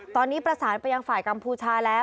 ตอนนี้ประสานไปยังฝ่ายกัมพูชาแล้ว